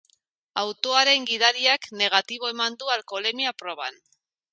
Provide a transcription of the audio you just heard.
Autoaren gidariak negatibo eman du alkoholemia proban.